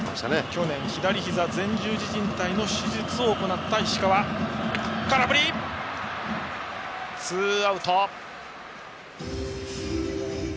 去年、左ひざの前十字じん帯の手術をした石川は、空振り三振でツーアウト。